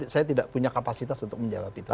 saya tidak punya kapasitas untuk menjawab itu